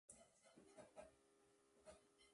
Nuevas colecciones son creadas.